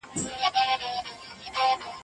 د مسافرو خونديتوب يې مهم ګاڼه.